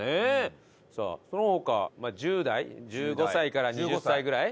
さあその他１０代１５歳から２０歳ぐらい？